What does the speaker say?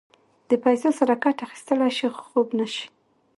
په پیسو سره کټ اخيستلی شې خو خوب نه شې.